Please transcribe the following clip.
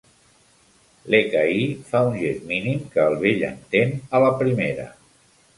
L'Ekahi fa un gest mínim que el vell entén a la primera.